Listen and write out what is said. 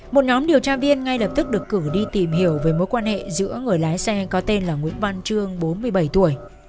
một nhóm điều tra viên ngay lập tức được cử đi tìm hiểu về mối quan hệ giữa người lái xe có tên là nguyễn văn trương bốn mươi bảy tuổi